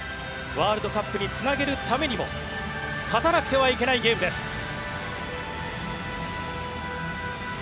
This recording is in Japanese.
ワールドカップにつなげるためにも勝たなくてはいけないゲームです。